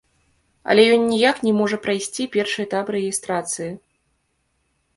Але ён ніяк не можа прайсці першы этап рэгістрацыі.